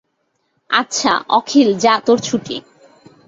আচ্ছা, অখিল যা তোর ছুটি।